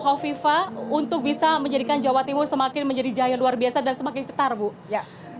hovifa untuk bisa menjadikan jawa timur semakin menjadi jaya luar biasa dan semakin cetar bu ya